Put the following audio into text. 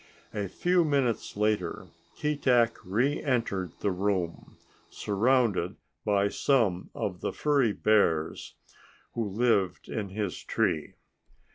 A few minutes later Keetack reentered the room, surrounded by some of the furry bears who lived in his tree.